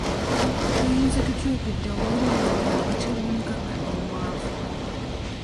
Tuyinza tutya okugyawo oluwonko wakati w'omuggaga n'omwavu?